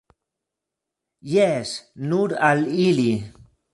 Jes, nur al ili!